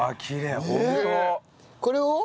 これを？